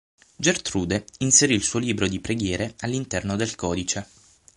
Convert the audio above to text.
Gertrude inserì il suo libro di preghiere all'interno del codice.